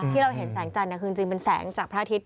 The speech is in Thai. ที่เราเห็นแสงจันทร์คือจริงเป็นแสงจากพระอาทิตย